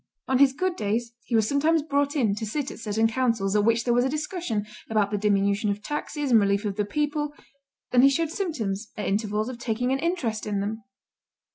On his good days he was sometimes brought in to sit at certain councils at which there was a discussion about the diminution of taxes and relief of the people, and he showed symptoms, at intervals, of taking an interest in them.